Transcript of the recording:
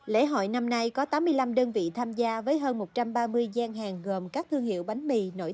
lễ hội năm nay có tám mươi năm đơn vị tham gia với hơn một trăm ba mươi gian hàng gồm các thương hiệu bánh mì